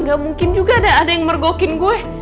gak mungkin juga dah ada yang mergokin gue